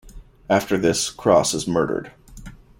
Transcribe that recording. After this Cross is murdered.